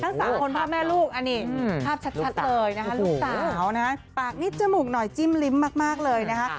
สามคนพ่อแม่ลูกอันนี้ภาพชัดเลยนะคะลูกสาวนะปากนิดจมูกหน่อยจิ้มลิ้มมากเลยนะคะ